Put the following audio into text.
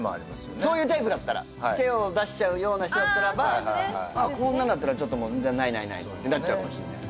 そういうタイプだったら手を出しちゃうような人だったらばこんなんなったらもうないないないってなっちゃうかもしれないよね